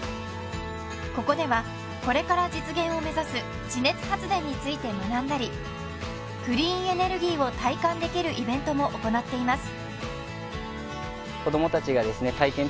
ここではこれから実現を目指す地熱発電について学んだりクリーンエネルギーを体感できるイベントも行っています